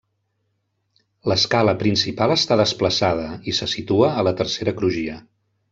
L'escala principal està desplaçada i se situa a la tercera crugia.